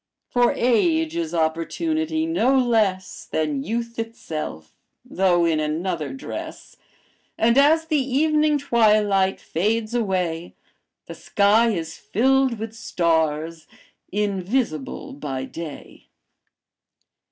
For age is opportunity no less Than youth itself, though in another dress, And as the evening twilight fades away The sky is filled with stars, invisible by day.'"